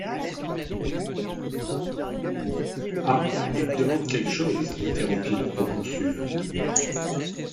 Ah ! tu demandes quelque chose ? interrompit le proconsul.